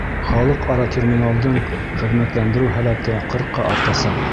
Халыҡ-ара терминалдың хеҙмәтләндереү һәләте ҡырҡа артасаҡ.